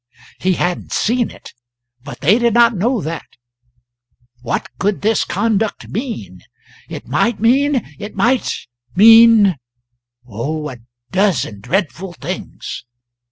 He hadn't seen it; but they did not know that. What could his conduct mean? It might mean it might mean oh, a dozen dreadful things.